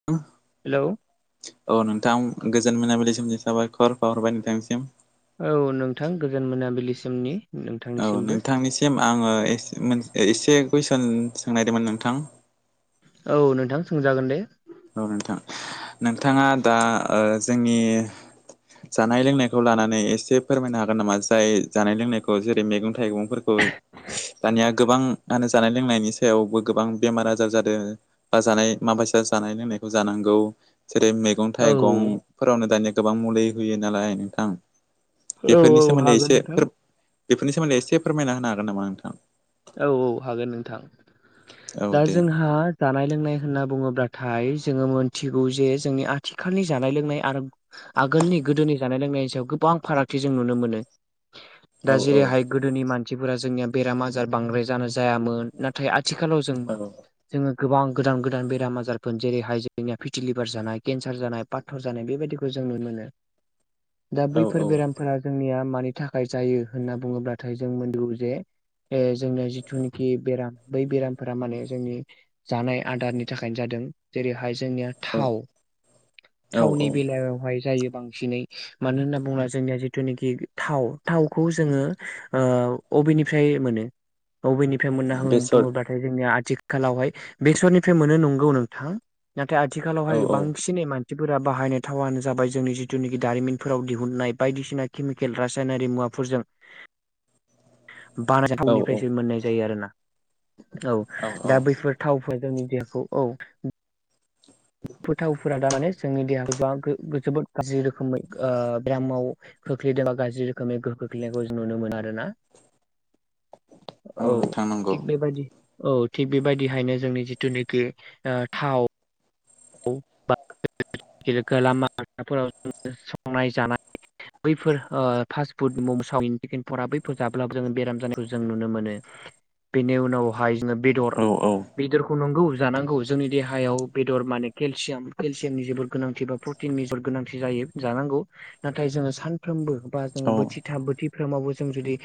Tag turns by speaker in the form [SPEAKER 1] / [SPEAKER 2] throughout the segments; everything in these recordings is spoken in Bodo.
[SPEAKER 1] [unintelligible]
[SPEAKER 2] हेलौ
[SPEAKER 1] औ नोंथां गोजोन मोनाबिलिनिसिम साबायखर बावहरबाय नोंथांसिम
[SPEAKER 2] औ नोंथां गोजोन मोनाबिलिसिमनि
[SPEAKER 1] औ
[SPEAKER 2] नोंथांनिसिमबो
[SPEAKER 1] नोंथांनिसिम आङो एसे कुइसन सोंनायदोंमोन नोंथां
[SPEAKER 2] औ नोंथां सोंजागोन दे
[SPEAKER 1] औ नोंथां नोंथाङा दा ओ जोंनि जानाय लोंनायखौ लानानै एसे फोरमायनो हागोन नामा जाय जानाय लोंनायखौ जेरै मैगं थाइगंफोरखौ दानिया गोबां म होनो जानाय लोंनायनि सायावबो गोबां बेमार आजार जादों ब जानाय माबायसा जानाय लोंनायखौ जानांगौ जेरै मैगं
[SPEAKER 2] औ
[SPEAKER 1] थाइगं फोरावनो दानिया गोबां मुलि होयो नालाय नोंथां
[SPEAKER 2] औ
[SPEAKER 1] बेफोरनि
[SPEAKER 2] औ
[SPEAKER 1] सोमोन्दै
[SPEAKER 2] हागोन
[SPEAKER 1] एसे
[SPEAKER 2] नोंथां
[SPEAKER 1] बेनि सोमोन्दै एसे फोरमाय होनो हागोन नामा नोंथां?
[SPEAKER 2] औ औ हागोन नोंथां दा
[SPEAKER 1] औ दे
[SPEAKER 2] जोंहा जानाय लोंनाय होनना बुङोब्लाथाय जोङो मोनथिगौ जे जोंनि आथिखालनि जानाय लोंनाय आरो आगोलनि गोदोनि जानाय लोंनायनि सायाव गोबां फारागथि जों नुनो मोनो दा
[SPEAKER 1] औ औ
[SPEAKER 2] जेरैहाय गोदोनि मानसिफोरा जोंनिया बेराम आजार बांद्राय जानो जायामोन नाथाय आथिखालाव जों
[SPEAKER 1] औ
[SPEAKER 2] मा जोङो गोबां गोदान गोदान बेराम आजारफोर जेरैहाय जोंनिया फिटिलिभार जानाय केन्सार जानाय पाथर जानाय बेबायदिखौ जों नुनो मोनो दा बैफोर
[SPEAKER 1] औ
[SPEAKER 2] बेरामफोरा जोंनिया मानि थाखाय जायो होनना बुङोब्लाथाय जों [unintelligible] ए जोंना जिथुनिखि बेराम बै बेरामफोरा माने जोंनि जानाय आदारनि थाखायनो जादों जेरैहाय जोंनिया थाव
[SPEAKER 1] औ औ औ
[SPEAKER 2] थावनि बेलायावहाय जायो बांसिनै मानो होनना बुङोब्ला जोंनिया जिथुनाखि थाव थावखौ जोङो अबेनिफ्राय मोनो बबेनिफ्राय मोनो
[SPEAKER 1] बेसर
[SPEAKER 2] बुङोब्ला नाथाय जोंनिया आथिखालावहाय बेसरनिफ्राय मोनो नंगौ नोंथां। नाथाय
[SPEAKER 1] औ
[SPEAKER 2] आथिखालावहाय
[SPEAKER 1] औ
[SPEAKER 2] बांसिन [unintelligible] मानसिफोरा बाहायनाय थावानो जाबाय जोंनि जिथुनाखि दारिमिनफोराव दिहुननाय बायदिसिना केमिकेल रासायनारि मुवाफोरजों
[SPEAKER 1] औ
[SPEAKER 2] बानायथावनिफ्रायसो मोननाय जायो आरोना। औ दा बैफोर थावफोरा जोंनि देहाखौ औ बैफोर थावफोरा दा माने जोंनि देहाखौ जोबोद गाज्रि रोखोमै बेरामाव खोख्लैदोंबा गाज्रि रोखोमै गोहो खोख्लैनायखौ जों नुनो मोनो आरोना।
[SPEAKER 1] [unintelligible]
[SPEAKER 2] औ
[SPEAKER 1] नोंथां नंगौ
[SPEAKER 2] थिग बेबायदिनो औ थिग बेबायदिहायनो जोंनि जिथुनाखि थाव [unintelligible] संनाय जानाय बैफोर ओ फास्ट फुड मम', सावमिन [unintelligible] फोरा बैफोर जाब्लाबो जों बेराम जानायखौ जों नुनो मोनो। बेनि उनावहाय जोङो बेदर
[SPEAKER 1] औ औ
[SPEAKER 2] बेदरखौ नंगौ जानांगौ जोंनि देहायाव बेदर मानि केलसियाम- केलसियामनि जोबोद गोनांथि बा प्रटिननि जोबोर गोनांथि जायो जानांगौ। नाथाय जोङो सानफ्रोमबो बा जोङो
[SPEAKER 1] औ
[SPEAKER 2] बोथिथा बोथिफ्रोमावबो जों जुदि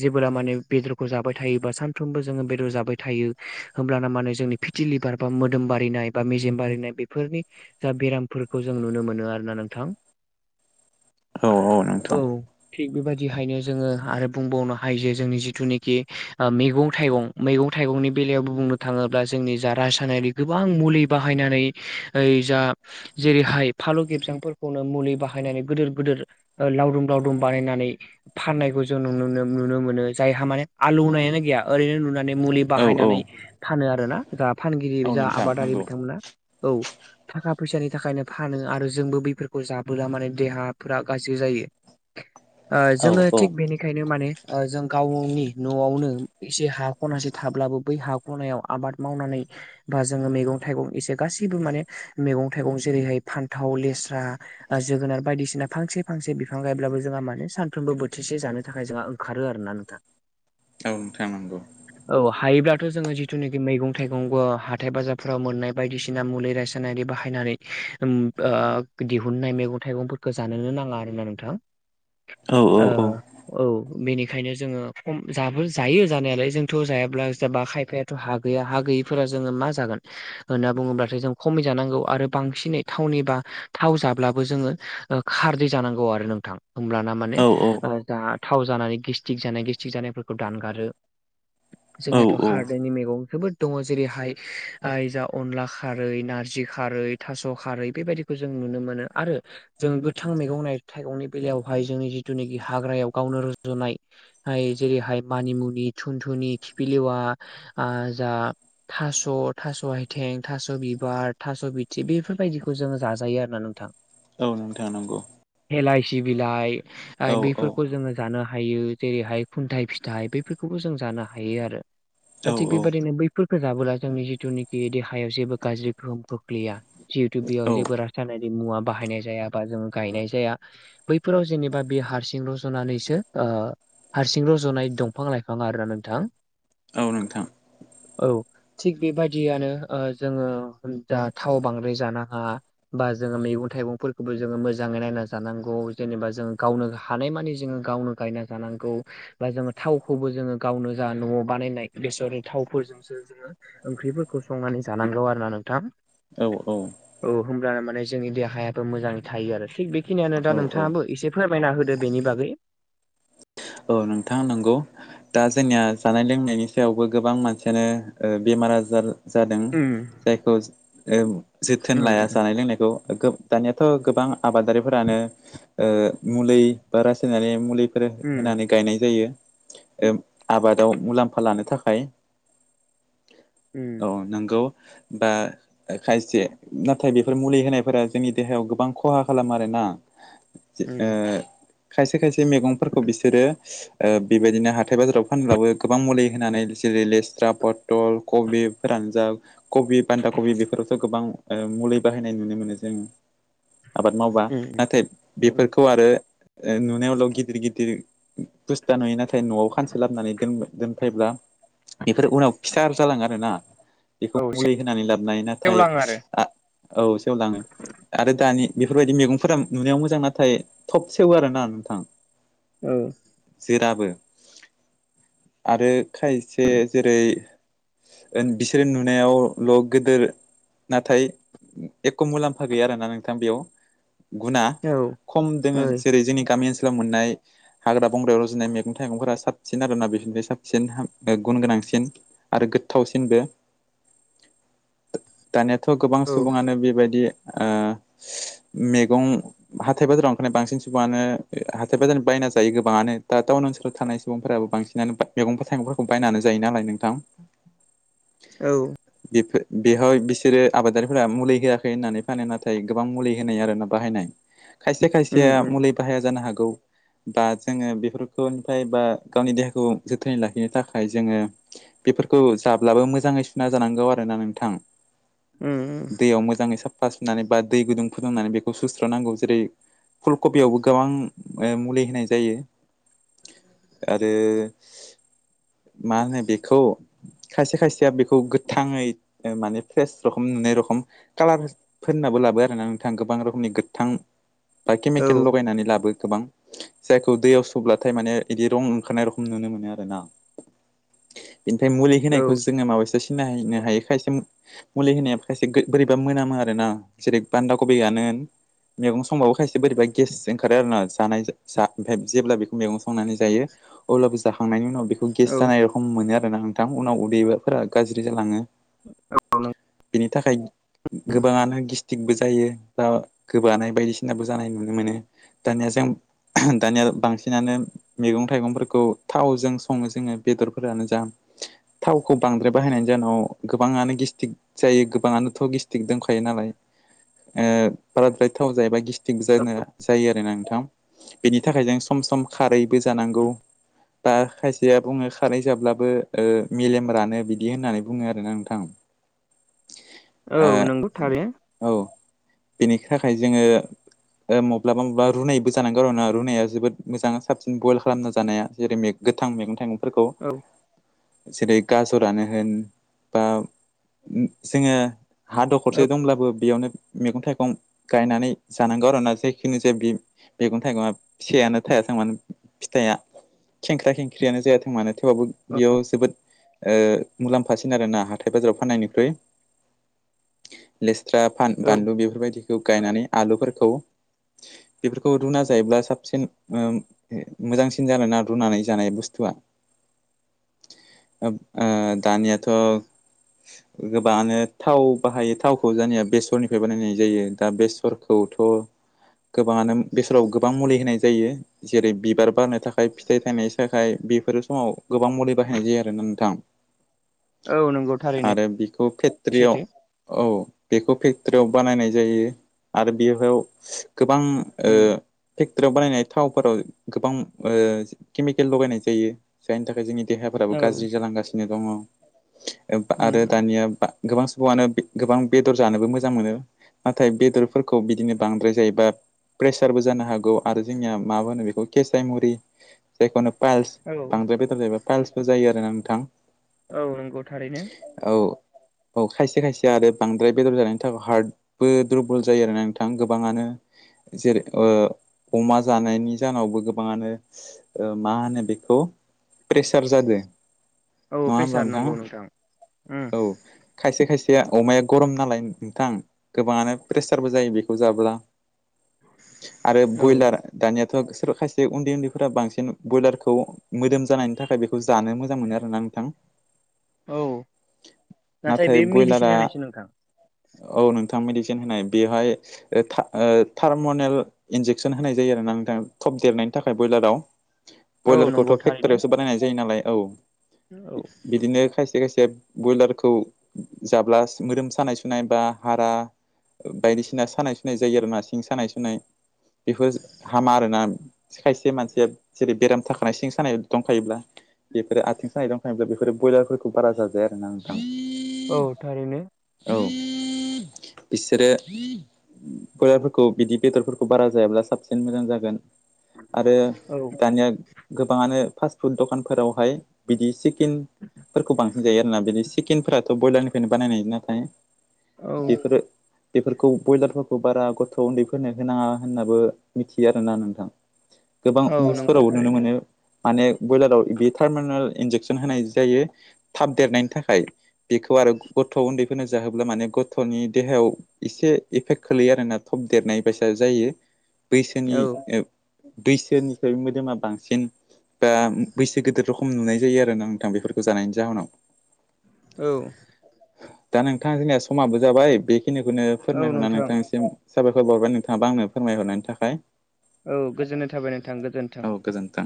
[SPEAKER 2] जेबोब्ला माने बेदरखौ जाबाय थायोबा सानफ्रोमबो जोङो बेदर जाबाय थायो होमब्लाना माने जोंनि फिथिलिबार बा मोदोम बारिनाय बा मेजेम बारिनाय बेफोरनि जा बेरामफोरखौ जों नुनो मोनो आरोना नोंथां।
[SPEAKER 1] औ औ नोंथां।
[SPEAKER 2] थिग बेबायदिहायनो जोङो आरो बुंबावनो हायो जे जोंनि जिथुनाखि मैगं -थाइगं मैगं -थाइगंनि बेलायावबो बुंनो थाङोब्ला जोंनि जा रासायारि गोबां मुलि बाहायनानै ओइ जा जेरैहाय फालु गेबजांफोरखौनो मुलि बाहायनानै गिदिर गिदिर लावदुम लावदुम बानायनानै फाननायखौ जों [unintelligible] नुनो मोनो जायहा माने आलौनायानो गैया ओरैनो नुनानै मुलि
[SPEAKER 1] औ औ
[SPEAKER 2] बाहायनानै फानो आरोना जा फानगिरि
[SPEAKER 1] औ
[SPEAKER 2] जा
[SPEAKER 1] नोंथां
[SPEAKER 2] आबादारि
[SPEAKER 1] नंगौ
[SPEAKER 2] बिथांमोना औ। थाखा फैसानि थाखायनो फानो आरो जोंबो बेफोरखौ जाबोला माने देहाफोरा गाज्रि जायो।
[SPEAKER 1] [unintelligible]
[SPEAKER 2] जोङो
[SPEAKER 1] औ
[SPEAKER 2] थिग बेनि बेखायनो माने जों गाव गावनि न'आवनो एसे हा खनासे थाब्लाबो बै हा ख'नायाव आबाद मावनानै बा जोङो मैगं -थाइगं एसे गासैबो माने मैगं- थाइगं जेरैहाय फान्थाव, लेस्रा जोगोनार बायदिसिना फांसे फांसे बिफां गायब्लाबो जोंहा मानोे सानफ्रोमबो बोथिसे जानो थाखाय जोंहा ओंखारो आरोना नोंथां।
[SPEAKER 1] औ। नोंथां नंगौ।
[SPEAKER 2] औ हायोब्लाथ' जोङो जिथुनाखि मैगं -थाइगंबो हाथाय बाजारफोराव मोननाय बायदिसिना मुलि रायसायनारि बाहायनानै ओम ओ दिहुनाय मैगं- थाइगं जानोनो नाङा आरो ना नोंथां।
[SPEAKER 1] औ
[SPEAKER 2] ओ
[SPEAKER 1] औ औ।
[SPEAKER 2] औ बेनिखायनो जोङो खम जाबो जायो जानायालाय जोंथ' जायाब्ला जाबा खायफाया हा गैया हा गैयिफोरा जोङो मा जागोन? होनना बुङोब्लाथाय जों खमि जानांगौ आरो बांसिनै थावनि बा थाव जाब्लाबो जोङो खारदै जानांगौ आरो नोंथां होमब्लाना माने
[SPEAKER 1] औ
[SPEAKER 2] जा थाव जानानै गेस्टिक जानाय गेस्टिक जानायफोरखौ दानगारो।
[SPEAKER 1] औ
[SPEAKER 2] जोंनियाथ' खारदैनि मैगं जोबोद दङ जेरैहाय [unintelligible] अनला खारै, नारजि खारै, थास' खारै बेबायदिखौ जों नुनो मोनो आरो जों गोथां मैगं -थाइगंनि बेलायावहाय जोंनि जिथुनाखि हाग्रायाव गावनो र'जनाय जेरैहाय मानिमुनि, थुन थुनि, खिफिलेवा आ जा थास' थास' [unintelligible] थें थास' बिबार थास' बिथि बेफोरबायदिखौ जोङो जाजायो आरोोना नोंथां
[SPEAKER 1] औाव नों थांनांगौ
[SPEAKER 2] एलाइ सि बिलाइ
[SPEAKER 1] औ
[SPEAKER 2] बैफोरखौ जोङो जानो हायो जेरैहाय खुन्थायाइ फिथाइ बैफोरखौबो जों जानो हायो आरो दा
[SPEAKER 1] औ
[SPEAKER 2] थिग
[SPEAKER 1] औ
[SPEAKER 2] बेबायदिनो बैफोरखौो जाबोला जोंनि जिथुनाखि देहायाव जेबो गाज्रि गोहोम खोख्लैया जिहेतु बेयाव जेबो रासायनारि मुवा बाहायनाय जाया बा जों गायनाय जाया बैफोराव जेनेबा बे हारसिं रज'नानैसो हारसिंल' जनाय दंफां लाइफाङा आरोना नोंथां
[SPEAKER 1] अ
[SPEAKER 2] औ थिग बेबादि बिदियानो जोङो जा थाव बांद्राय जानो हा बा जोङो मैगं थाइगंफोरखौबो जोङो मोजाङै नायना जानांगौ जेनेबा जोङ गावनो हानाय मानि जोङो गावनो गायना जानांगौ बा जोङो थावखौबो जोङो गावनो जा न'आव बानायनाय बेसरनि थावफोरजोंसो जोङो ओंख्रिफोरखौ संनानै जानांगौ आरो ना नोंथां
[SPEAKER 1] औ औ
[SPEAKER 2] औ होमब्लानो माने जोंनि देहायाबो मोजाङै थायो आरो थिग बेखिनियानो दा
[SPEAKER 1] औ औ
[SPEAKER 2] नोंथाङाबो एसे फोरमायना होदो बेनि बागै
[SPEAKER 1] औ नोंथाङा नोंगौ दा जोंनिया जानाय लोंनायनि सायावबो गोबां मानसियानो बेमार आजार जादों
[SPEAKER 2] उम
[SPEAKER 1] जायखौ जोथोन
[SPEAKER 2] उम
[SPEAKER 1] लाया
[SPEAKER 2] उम
[SPEAKER 1] जानाय लोंनायखौ दानियाथ' गोबां आबादारिफोरानो मुलि बा रासायारि मुलि बेफोर
[SPEAKER 2] उम
[SPEAKER 1] होनानै गायनाय जायो आबादाव मुलाम्फा लानो थाखाय औ
[SPEAKER 2] उम
[SPEAKER 1] नंगौ बा खायसे नाथाय बेफोर मुलि होनायफोरा जोंनि देहायाव गोबां खहा खालामो आरो ना
[SPEAKER 2] उम
[SPEAKER 1] खायसे खायसे मैगंफोरखौ बिसोरो बेबायदिनो हाथाय बाजाराव फानब्लाबो गोबां मुलि होनानै जेरै लेस्रा पटल फटल कबि फोरानजाब कबि बान्दा कबि बेफोरावथ' गोबां मुलि बाहायनाय नुनो मोनो जोङो आबाद मावबा
[SPEAKER 2] उम
[SPEAKER 1] नाथाय
[SPEAKER 2] उम
[SPEAKER 1] बेफोरखौ आरो नुनायावल' गिदिर गिदिर बुस्था नुयो नाथाय न'आव खानसे लाबोननानै दोन दोनफब्ला बेफोर उनाव खिथार जालाङो आरोना बेखौ
[SPEAKER 2] औ
[SPEAKER 1] मुलि होनानै लाबोननाय नाथाय
[SPEAKER 2] सेवलाङो आरो
[SPEAKER 1] औ सेव लाङो आरो दानि बेफोरबायदि मैगंफोरा नुनायाव मोजां नाथाय थब सेवो आरो ना नोंथां
[SPEAKER 2] औ
[SPEAKER 1] जोराबो आरो खायसे जेरै बिसोरो नुनायावल' गोदोर नाथाय एख' मुलाम्फा गैया आरो ना नोंथां बेयाव गुना
[SPEAKER 2] औ
[SPEAKER 1] खम दोङो
[SPEAKER 2] ओइ
[SPEAKER 1] जेरै जोंनि गामि ओनसोलाव मोननाय हाग्रा बंग्रायाव रज'नाय मैगं थाइगंफोरा साबसिन आरोना बेफोरनिफ्राय साबसिन गुन गोनांसिन आरो गोथावसिनबो दानियाथ' गोबां
[SPEAKER 2] औ
[SPEAKER 1] सुबुङानो बेबायदि ओ मैगं हाथाय बाजाराव ओंखायनो बांसिन सुबुङानो हाथाय बाजारनि बायना जायो गोबाङानो दा टाउन ओनसोलाव थानाय सुबुंफोराबो बांसिनानो मैगंफोर थाइगंफोरखौ बायनानै जायो नालाय नोंथां
[SPEAKER 2] औ
[SPEAKER 1] बेफोर बेहाय बिसोरो आबादारिफोरा मुलि होआखै होननानै फानो नाथाय गोबां मुलि होनाय आरो ना बाहायनाय खायसे
[SPEAKER 2] उम
[SPEAKER 1] खायसेया
[SPEAKER 2] उम
[SPEAKER 1] मुलि बाहाया जानो हागौ दा जोङो बेफोरखौनिफ्राय बा गावनि देहाखौ जोथोनै लाखिनो थाखाय जोङो बेफोरखौ जाब्लाबो मोजाङै सुना जानांगौ आरो ना नोंथां
[SPEAKER 2] उम
[SPEAKER 1] दैयाव मोजाङै साफा सुनानै बा दै गुदुं फुदुंनानै बेखौ सुस्रा नांगौ जेरै फुल कबियावबो गोबां ओ मुलि होनाय जायो। आरो मा होनो बेखौ खायसे खायसेया बेखौ गोथाङै माने फ्रेस रखम नुनाय रखम कालार फोननाबो लाबो आरोना नोंथां गोबां रोखोमनि गोथां बा
[SPEAKER 2] औ
[SPEAKER 1] केमिकेल लगायनानै लाबो गोबां जायखौ दैयाव स्लाथाय माने इदि रं ओंखारनाय रखोम नुनो मोनो आरो ना। इनिफ्राय मुलि
[SPEAKER 2] औ
[SPEAKER 1] होनायखौ जोङो माबायसा सिनायनो हायो खायसे मुलि होनाया खायसे गो- बोरैबा मोनामो आरो ना जेरै बान्दाखौबआनो होन मैगं संबाबो खायसे बोरैब गेस ओंखारो आरोना जानाय जा ओमफ्राय जेब्ला बेखौ मैगं संनानै जायो अब्लाबो जाखांनायनि उनाव बेखौ गेस
[SPEAKER 2] औ
[SPEAKER 1] जानाय र खम मोनो आरो ना नोंथां उनाव उदैफोरा गाज्रि जालाङो।
[SPEAKER 2] [unintelligible]
[SPEAKER 1] बेनि थाखाय गोबाङानो गि थिगबो जायो बा गोबानाय बायदिसिनाबो जानाय नुनो मोनो दानिया जों दानिया बांसिनानो मैगं थाइगंफोरखौ थावजों सङो जोङो बेदरफोरानो जा थावखौ बांद्राय बाहायनायनि जाहोनाव गोबाङानो गेस्टिक जायो गोबाङानोथ' गेस्टिक दंखायो नालाय। ओ बाराद्राय थाव जायोबा गिस्टिक जानो जायो आरो ना नोंथां बेनि थाखाय जों सम सम खारैबो जानांगौ। बा खायसेया बुङो खारै जाब्लाबो ओ मेलेम रानो बिदि होननानै बुङो आरोना नोंथां।
[SPEAKER 2] औ
[SPEAKER 1] ओ
[SPEAKER 2] नंगौ थारैनो
[SPEAKER 1] औ बेनि थाखाय जोङो ओ मब्लाबा मब्लाबा रुनाय जानांगौ आरो रुनाया जोबोद मोजां साबसिन बयल खालामना जानाया जेरै गोथां मैगं थाइगंफोरखौ
[SPEAKER 2] औ
[SPEAKER 1] जेरै गाजरानो होन बा जोङो हा दखरसे दंब्लाबो बेयावनो मैगं थाइगं गायनानै जानांगौ आरो ना जायखिनो जा बि मैगं थाइगंआ फिसायानो थायाथों मानो फिथाइआ खेंख्रा खेंख्रियानो जायाथों मानो थेवबाबो
[SPEAKER 2] औ
[SPEAKER 1] बेयाव जोबोद ओ मुलाम्फासिन आरो ना हाथाय बाजाराव फाननायनिख्रुइ लेस्रा
[SPEAKER 2] औ
[SPEAKER 1] फान-बानलु बेफोरबायदिखौ गायनानै आलुफोरखौ बेफोरखौ रुना जायोब्ला साबसिन ओ मोजांसिन जायो ना रुनानै जानाय बुस्थुआ। ओ दानियाथ' गोबाङानो थाव बाहायो थावखौ जोंनिया बेसरनिफ्राय बानायनाय जायो दा बेसरखौथ' गोबाङानो बेसराव गोबां मुलि होनाय जायो जेरै बिबार बारनो थाखाय फिथाइ थायनाय थाखाय बेफोरो समाव गोबां मुलि बाहायनाय जायो आरोना नोंथां।
[SPEAKER 2] औ नंगौ थारैनो
[SPEAKER 1] आरो बिखौ फेट्रियाव
[SPEAKER 2] सैथो
[SPEAKER 1] औ बेखौ फेक्टरयाव बानायनाय जायो आरो बेहयाव गोबां ओ
[SPEAKER 2] उम
[SPEAKER 1] फेक्टरयाव बानायनाय थावफोराव गोबां ओ केमिकेल लगायनाय जायो जायनि थाखाय जोंनि देहाफोराबो
[SPEAKER 2] औ
[SPEAKER 1] गाज्रि जालांगासिनो दङ। ओ आरो
[SPEAKER 2] उम
[SPEAKER 1] दानिया बा गोबां सुबुङानो गोबां बे-बेदर जानोबो मोजां मोनो नाथाय बेदरफोरखौ बिदिनो बांद्राय जायोबा प्रेसारबो जानो हागौ आरो जोंनिया मा होनो बेखौ केसाय मुरि जेखुनु पाइल्स
[SPEAKER 2] औ
[SPEAKER 1] बांद्राय बेदर जायोबा पाइल्सफोर जायो आरो ना नोंथां।
[SPEAKER 2] औ नंगौ थारैनो
[SPEAKER 1] औ औ खायसे खायसे आरो बांद्राय बेदर जानायनि थाखाय हार्टबो दुरबल जायो आरोना नोंथां गोबाङानो। जेरै ओ अमा जानायनि जाहावबो गोबाङानो ओ मा होनो बेखौ प्रेसार जादो।
[SPEAKER 2] औ
[SPEAKER 1] नङा होमबा
[SPEAKER 2] प्रेसार नंगौ
[SPEAKER 1] नोंथाङा?
[SPEAKER 2] नोंथां उम
[SPEAKER 1] औ खायसे खायसे अमाया गरम नालाय नोंथां गोबाङानो प्रेसारबो जायो बेखौ जाब्ला। आरो
[SPEAKER 2] औ
[SPEAKER 1] ब्रयलार दानियाथ' सोर खायसे उन्दै उन्दैफोरा बांसिन ब्रयलारखौ मोदोम जानायनि थाखाय बेखौ जानो मोजां मोनो आरो ना नोंथां।
[SPEAKER 2] औ
[SPEAKER 1] नाथाय
[SPEAKER 2] बे मेडिसिन
[SPEAKER 1] बयलारा
[SPEAKER 2] होनायसो नोंथां
[SPEAKER 1] औ नोंथां मेडिसिन होनाय बेवहाय ओ था थार्मनेल इन्जेकसन होनाय जायो आरो ना नोंथाङा थब देरनायनि थाखाय ब्रयलाराव।
[SPEAKER 2] औ
[SPEAKER 1] ब्रयलारखौथ'
[SPEAKER 2] नंगौ थारैनो
[SPEAKER 1] फेक्ट'रियावसो बानायनाय जायो नालाय औ।
[SPEAKER 2] औ
[SPEAKER 1] बिदिनो खायसे खायसे ब्रयलारखौ जाब्ला मोदोम सानाय सुनाय बा हारा बायदिसिना सानाय सुनाय जायो आरो ना सिं सानाय सुनाय बेफोर हामा आरोना। खायसे मानसिया जेरै बेराम थाखानाय सिं सानाय दंखायोब्ला। बेफोरो आथिं सानाय दंखायोब्ला बेफोरो ब्रयलारफोरखौ बारा जाजाया आरो ना नोंथां।
[SPEAKER 2] औ थारैनो।
[SPEAKER 1] औ बिसोरो बय बिदि बेदरफोरखौ बारा जायाब्ला साबसिन मोजां जागोन आरो
[SPEAKER 2] औ
[SPEAKER 1] दानिया गोबाङानो फास्ट फुद दखानफोरावहाय बिदि चकेनफोरखौ बांसिन जायो आरोना बिदि चिकेनफोराथ' ब्रयलारनिफ्रायनो बानायनाय नाथायो
[SPEAKER 2] औ
[SPEAKER 1] बेफोरो बेफोरखौ ब्रयलारफोरखौ बारा गथ गथ' उन्दैफोरनो होनाङा होननाबो मिथियो आरोना नोंथां। गोबां
[SPEAKER 2] औ नंगौ
[SPEAKER 1] निउसफोरावबो नुनो
[SPEAKER 2] थारैनो
[SPEAKER 1] मोनो माने ब्रयलाराव बे थटार्मिनेल इन्जेकसन होनाय जायो। थाब देरनायनि थाखाय। बेखौ आरो गथ' उन्दैफोरनो जाहोब्ला माने गथ'नि देहायाव एसे एफेक्ट खोलैयो आरोना। थब देरनाय बसा जायो बैसोनि
[SPEAKER 2] औ
[SPEAKER 1] ओ बैसोनिफ्राय मोदोमा बांसिन। बा बैसो गिदिर रखम नुनाय जायो आरोना नोंथां बेफोरखौ जानायनि जाहोनाव।
[SPEAKER 2] औ
[SPEAKER 1] दा नोंथां जोंनिया समाबो जाबाय बेखिनिखौनो
[SPEAKER 2] औ
[SPEAKER 1] फोरमायहरना
[SPEAKER 2] नोंथां
[SPEAKER 1] नोंथांसिम साबायखर बावबाय नोंथाङाबो आंनो फोरमायहरनायनि थाखाय।
[SPEAKER 2] औ गोजोननाय थाबाय नोंथां गोदोनथों नोथां।
[SPEAKER 1] औ गोजोन्थों।